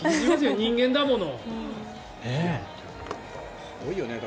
人間だもの。